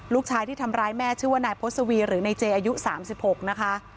ลูกชายที่ทำร้ายแม่ชื่อว่านายพศวีหรือนายเจอายุ๓๖นะคะ